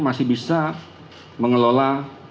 masih bisa mengelola